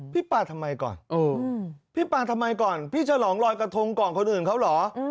ปลาทำไมก่อนพี่ปลาทำไมก่อนพี่ฉลองลอยกระทงก่อนคนอื่นเขาเหรอ